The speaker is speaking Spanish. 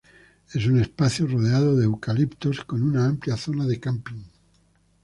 Es un espacio rodeado de eucaliptos con una amplia zona de camping.